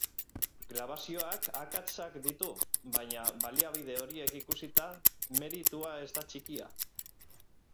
Grabazioak akatsak ditu, baina baliabide horiek ikusita, meritua ez da txikia.